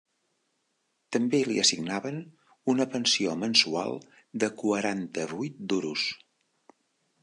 També li assignaven una pensió mensual de quaranta-vuit duros.